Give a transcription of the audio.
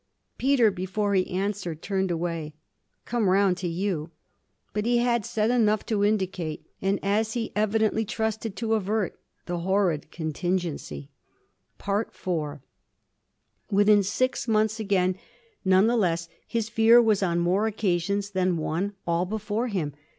Peter, before he answered, turned away. 'Come round to you.' But he had said enough to indicate and, as he evidently trusted, to avert the horrid contingency. IV Within six months again, none the less, his fear was on more occasions than one all before him.